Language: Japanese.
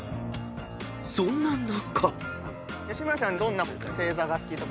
［そんな中］